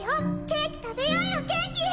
ケーキ食べようよケーキ！